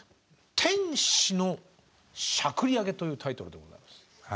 「天使のしゃくりあげ」というタイトルでございます。